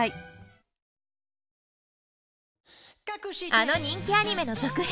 あの人気アニメの続編